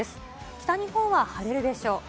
北日本は晴れるでしょう。